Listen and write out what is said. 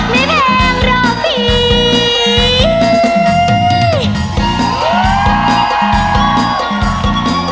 ไม่แพงหรอกพี่